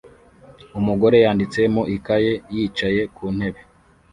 Umugore yanditse mu ikaye yicaye ku ntebe